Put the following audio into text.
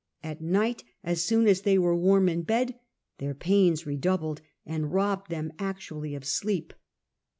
At night, as soon as they were warm in bed, their pains redoubled and robbed them actually of sleex).